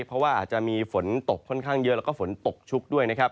เพราะว่าอาจจะมีฝนตกค่อนข้างเยอะแล้วก็ฝนตกชุกด้วยนะครับ